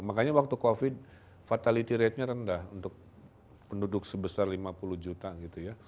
makanya waktu covid fatality ratenya rendah untuk penduduk sebesar lima puluh juta gitu ya